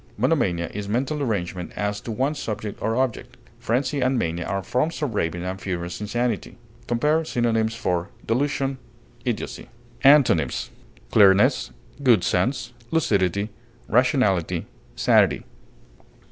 Monomania is mental derangement as to one subject or object. Frenzy and mania are forms of raving and furious insanity. Compare synonyms for DELUSION; IDIOCY. Antonyms: clearness, good sense, lucidity, rationality, sanity.